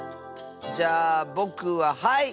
じゃあぼくははい！